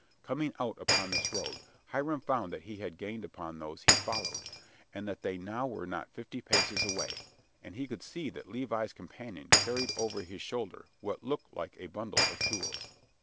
Coming out upon this road Hiram found that he had gained upon those he followed, and that they now were not fifty paces away, and he could see that Levi's companion carried over his shoulder what looked like a bundle of tools.